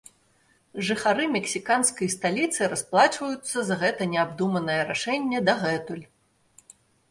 Жыхары мексіканскай сталіцы расплачваюцца за гэта неабдуманае рашэнне дагэтуль.